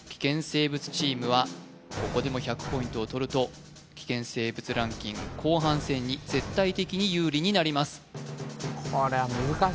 生物チームはここでも１００ポイントを取ると危険生物ランキング後半戦に絶対的に有利になりますあっ